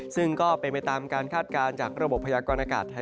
ซึ่งก็เป็นไปตามการคาดการณ์จากระบบลวงพยากรมการธรรมนำ